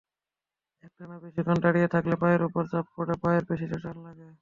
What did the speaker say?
একটানা বেশিক্ষণ দাঁড়িয়ে থাকলে পায়ের ওপর চাপ পড়ে, পায়ের পেশিতে টান লাগে।